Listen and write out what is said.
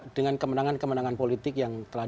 dengan kemenangan kemenangan politik yang telah